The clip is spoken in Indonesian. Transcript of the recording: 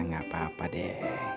nggak apa apa deh